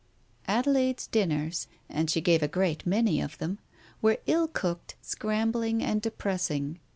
Adelaide's dinners, and she gave a great many of them, were ill cooked, scrambling and depressing.